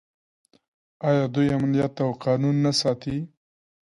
آیا دوی امنیت او قانون نه ساتي؟